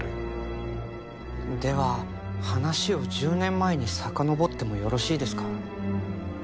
では話を１０年前にさかのぼってもよろしいですか？